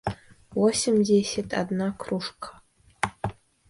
восемьдесят одна кружка